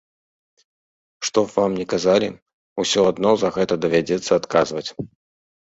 Што б вам ні казалі, усё адно за гэта давядзецца адказваць.